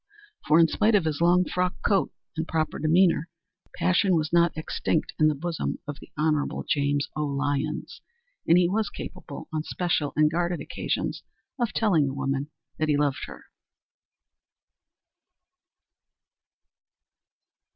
For in spite of his long frock coat and proper demeanor, passion was not extinct in the bosom of the Hon. James O. Lyons, and he was capable on special and guarded occasions of telling a woman that he loved her.